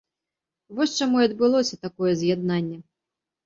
Вось чаму і адбылося такое з’яднанне.